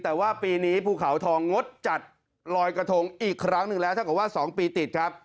แต่ว่าปีนี้ภูเขาทองงดจัดลอยกระทงอีกครั้งหนึ่งแล้วถ้าเกิดว่า๒ปีติดครับ